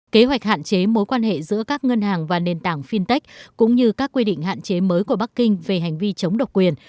kế hoạch hạn chế mối quan hệ giữa các ngân hàng và nền tảng fintech cũng như các quy định hạn chế mới của bắc kinh về hành vi chống độc quyền